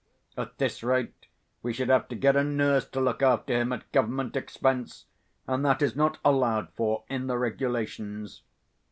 At this rate we should have to get a nurse to look after him at government expense, and that is not allowed for in the regulations.